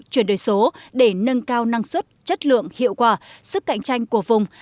chuyển đổi số để nâng cao năng suất chất lượng hiệu quả sức cạnh tranh của vùng